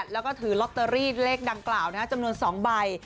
แล้วก็ถือลอตเตอรี่เลขดังกล่าวจำนวน๒ใบ